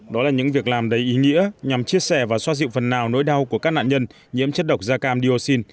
đó là những việc làm đầy ý nghĩa nhằm chia sẻ và soát dịu phần nào nỗi đau của các nạn nhân nhiễm chất độc da cam dioxin